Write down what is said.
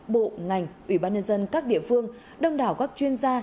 bộ ngành ủy ban nhân dân các địa phương đông đảo các chuyên gia